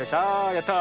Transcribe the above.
やった。